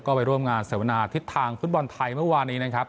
ก็ไปร่วมงานเสวนาทิศทางฟุตบอลไทยเมื่อวานนี้นะครับ